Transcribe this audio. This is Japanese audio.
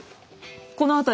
この辺り。